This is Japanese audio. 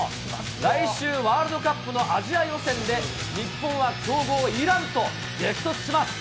来週、ワールドカップのアジア予選で、日本は強豪イランと激突します。